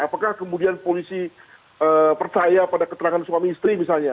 apakah kemudian polisi percaya pada keterangan suami istri misalnya